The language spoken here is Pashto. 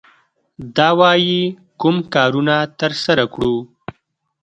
دا وايي کوم کارونه ترسره کړو.